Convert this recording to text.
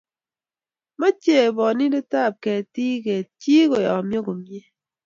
mechei bonindetab ketik ket chi kiyomyo kumye